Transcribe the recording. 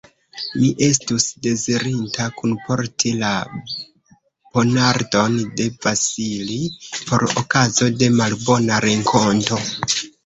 Mi estus dezirinta kunporti la ponardon de Vasili, por okazo de malbona renkonto.